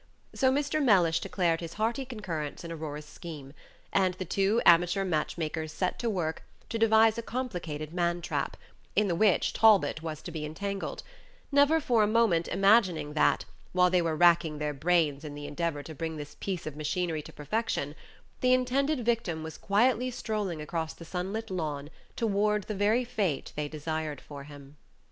So Mr. Mellish declared his hearty concurrence in Aurora's scheme, and the two amateur match makers set to work to devise a complicated man trap, in the which Talbot was to be entangled; never for a moment imagining that, while they were racking their brains in the endeavor to bring this piece of machinery to perfection, the intended victim was quietly strolling across the sunlit lawn toward the very fate they desired for him.